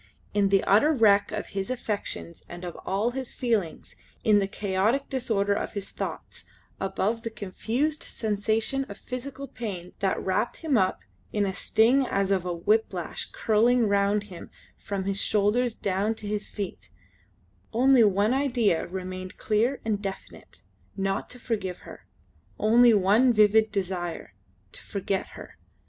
In the utter wreck of his affections and of all his feelings, in the chaotic disorder of his thoughts, above the confused sensation of physical pain that wrapped him up in a sting as of a whiplash curling round him from his shoulders down to his feet, only one idea remained clear and definite not to forgive her; only one vivid desire to forget her.